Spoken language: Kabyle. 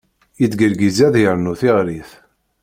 Yettgergiz ad yernu tiɣrit.